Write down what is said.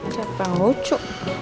siapa yang lucu